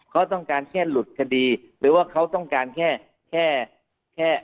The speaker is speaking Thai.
เขาต้องการแค่หลุดคดีหรือว่าเขาต้องการแค่แค่แค่